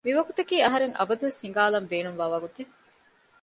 މިވަގުތަކީ އަހަރެން އަބަދުވެސް ހިނގާލަން ބޭނުންވާ ވަގުތެއް